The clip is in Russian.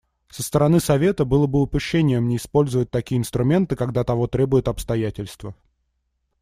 Со стороны Совета было бы упущением не использовать такие инструменты, когда того требуют обстоятельства.